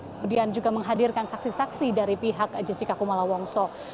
kemudian juga menghadirkan saksi saksi dari pihak jessica kumala wongso